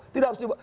tidak harus dibuat